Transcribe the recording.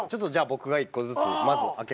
僕が１個ずつまず開けますね。